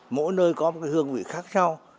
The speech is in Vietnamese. mỗi nơi có một hương vị khác nhau